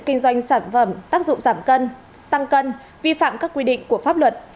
kinh doanh sản phẩm tác dụng giảm cân tăng cân vi phạm các quy định của pháp luật